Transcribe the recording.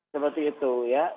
seperti itu ya